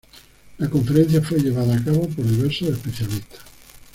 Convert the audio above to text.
La conferencia fue llevada a cabo por diversos especialistas.